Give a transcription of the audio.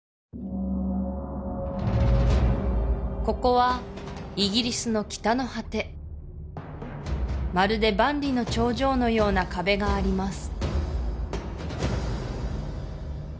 ここはイギリスの北の果てまるで万里の長城のような壁があります